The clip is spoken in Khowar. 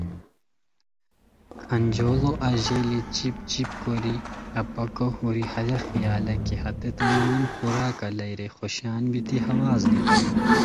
کھانجوڑو اژیلی چیپ چیپ کوری اپاکو ہوری ہیہ خیالہ کی ہیتان نان خوراک الائے رے خوشان بیتی ہواز نیتانی